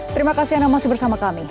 terima kasih anda masih bersama kami